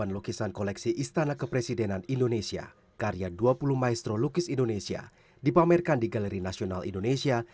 lukisan yang dipamerkan di galeri nasional indonesia